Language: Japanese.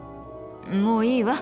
もういいわ。